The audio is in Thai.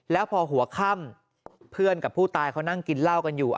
แล้วพอหัวค่ำเพื่อนกับผู้ตายเขานั่งกินเหล้ากันอยู่